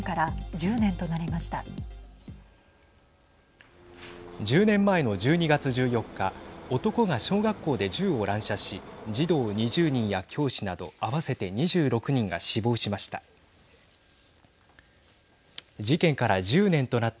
１０年前の１２月１４日男が小学校で銃を乱射し児童２０人や教師など合わせて２６人が死亡しました。